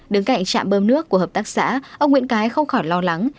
đứng cạnh trạm bơm nước của hợp tác xã ông nguyễn cái không khỏi lo lắng